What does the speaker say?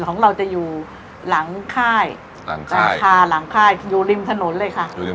ของเราจะอยู่หลังค่ายหลังคาหลังค่ายอยู่ริมถนนเลยค่ะ